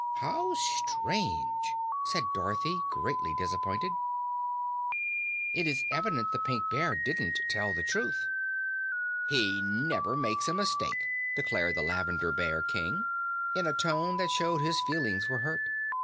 "How strange!" said Dorothy, greatly disappointed. "It's evident the Pink Bear didn't tell the truth." "He never makes a mistake," declared the Lavender Bear King in a tone that showed his feelings were hurt.